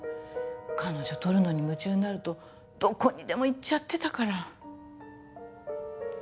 彼女採るのに夢中になるとどこにでも行っちゃってたから。